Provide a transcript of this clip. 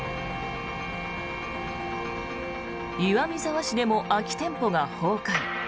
岩見沢市でも空き店舗が崩壊。